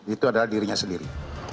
itu adalah dirinya sendiri